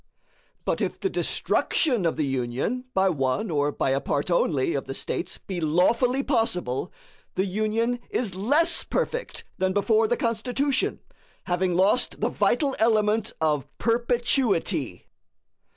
But if the destruction of the Union by one or by a part only of the States be lawfully possible, the Union is LESS perfect than before the Constitution, having lost the vital element of perpetuity.